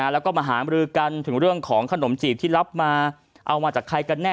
แล้วก็มาหามรือกันถึงเรื่องของขนมจีบที่รับมาเอามาจากใครกันแน่